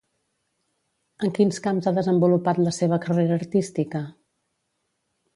En quins camps ha desenvolupat la seva carrera artística?